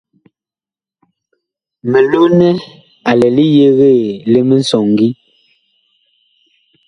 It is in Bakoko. Milonɛ a lɛ li yegee li misɔŋgi.